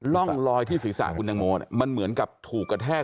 ร่องรอยที่ศีรษะคุณตังโมมันเหมือนกับถูกกระแทก